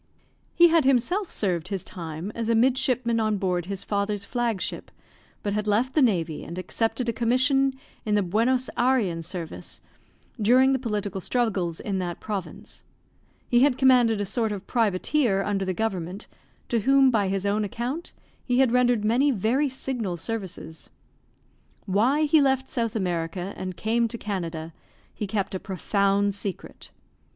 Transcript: He had himself served his time as a midshipman on board his father's flag ship, but had left the navy and accepted a commission in the Buenos Ayrean service during the political struggles in that province; he had commanded a sort of privateer under the government, to whom, by his own account, he had rendered many very signal services. Why he left South America and came to Canada he kept a profound secret.